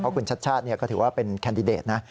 เพราะคุณชัชชาตินี้ก็ถือว่าเป็นแคนดิเดตนะ